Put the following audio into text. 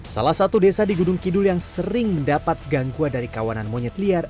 salah satu desa di gunung kidul yang sering mendapat gangguan dari kawanan monyet liar